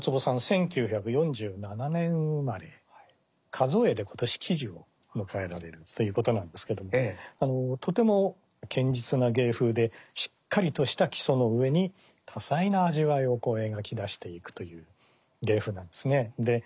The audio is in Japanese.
数えで今年喜寿を迎えられるということなんですけどとても堅実な芸風でしっかりとした基礎の上に多彩な味わいを描き出していくという芸風なんですね。